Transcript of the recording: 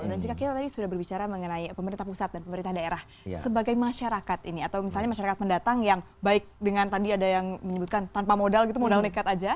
dan jika kita tadi sudah berbicara mengenai pemerintah pusat dan pemerintah daerah sebagai masyarakat ini atau misalnya masyarakat mendatang yang baik dengan tadi ada yang menyebutkan tanpa modal gitu modal nekat aja